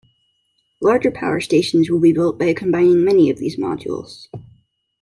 Larger power stations will be built by combining many of these modules.